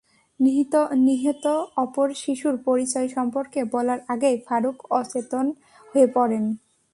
নিহত অপর শিশুর পরিচয় সম্পর্কে বলার আগেই ফারুক অচেতন হয়ে পড়েন।